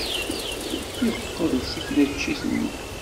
Yeqqel-d seg tneččit-nni.